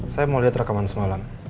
saya mau lihat rekaman semalam